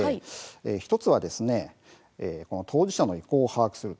１つは当事者の意向を把握する。